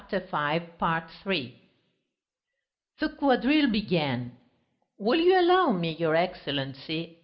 The quadrille began. "Will you allow me, your Excellency?"